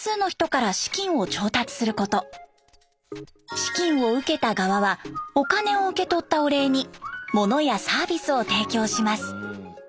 資金を受けた側はお金を受け取ったお礼に物やサービスを提供します。